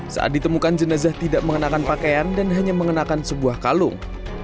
saat ditemukan jenazah tidak mengenakan pakaian dan hanya mengenakan sebuah kalung